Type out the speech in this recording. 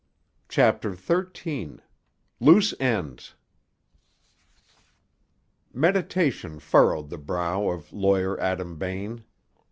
CHAPTER XIII—LOOSE ENDS Meditation furrowed the brow of Lawyer Adam Bain.